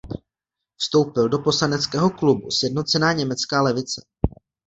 Vstoupil do poslaneckého klubu Sjednocená německá levice.